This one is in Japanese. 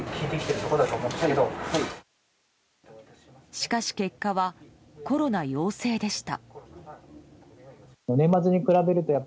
しかし、結果はコロナ陽性でした。